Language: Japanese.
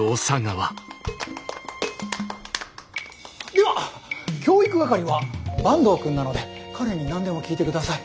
では教育係は坂東くんなので彼に何でも聞いて下さい。